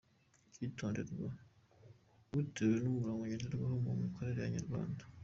Icyitonderwa: Bitewe n’umurongo ngenderwaho mu mikorere ya Inyarwanda.